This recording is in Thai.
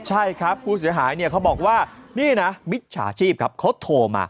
ใช่ครับผู้เสียหายเนี่ยเขาบอกว่านี่นะมิจฉาชีพครับเขาโทรมา